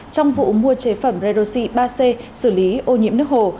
trong vụ mua chế phẩm redoxi ba c xử lý ô nhiễm nước hồ